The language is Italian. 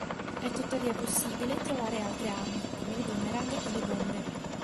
È tuttavia possibile trovare altre armi, come il boomerang e le bombe.